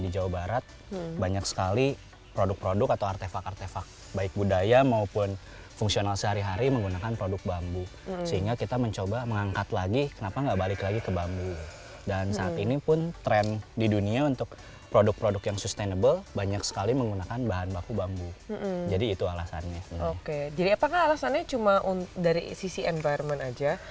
jadi apakah alasannya cuma dari sisi environment aja